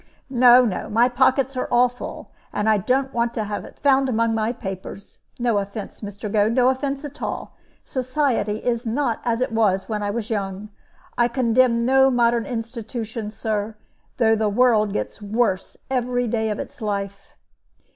"No, no. My pockets are all full. And I don't want to have it found among my papers. No offense, Mr. Goad, no offense at all. Society is not as it was when I was young. I condemn no modern institutions, Sir, though the world gets worse every day of its life."